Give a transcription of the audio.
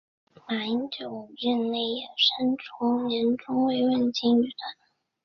马英九任内也删除年终慰问金预算。